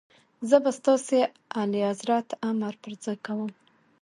زه به ستاسي اعلیحضرت امر پر ځای کوم.